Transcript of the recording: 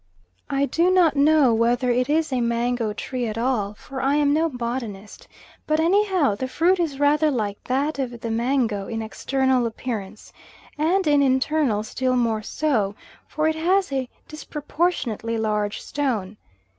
I do not know whether it is a mango tree at all, for I am no botanist: but anyhow the fruit is rather like that of the mango in external appearance, and in internal still more so, for it has a disproportionately large stone.